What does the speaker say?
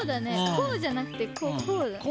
こうじゃなくてこうだね。